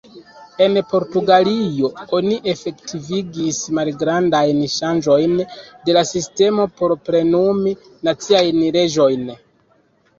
En Portugalio oni efektivigis malgrandajn ŝanĝojn de la sistemo por plenumi naciajn leĝojn.